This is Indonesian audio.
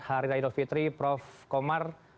hari aidul fitri prof komar